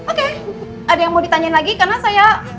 oke ada yang mau ditanyain lagi karena saya